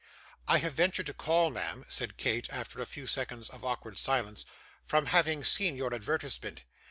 'I have ventured to call, ma'am,' said Kate, after a few seconds of awkward silence, 'from having seen your advertisement.